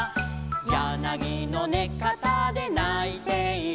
「やなぎのねかたでないている」